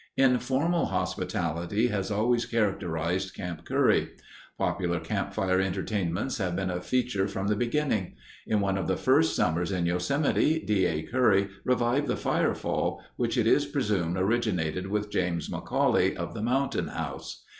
Informal hospitality has always characterized Camp Curry. Popular campfire entertainments have been a feature from the beginning. In one of the first summers in Yosemite, D. A. Curry revived the firefall, which it is presumed originated with James McCauley, of the Mountain House.